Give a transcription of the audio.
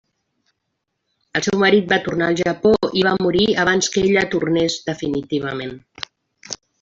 El seu marit va tornar al Japó i va morir abans que ella tornés definitivament.